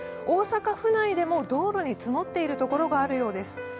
大阪府内でも道路に積もっている所があるようです。